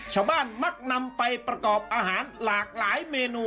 มักนำไปประกอบอาหารหลากหลายเมนู